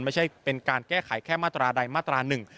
ไม่ใช่เป็นการแก้ไขแค่มาตราใดมาตราหนึ่ง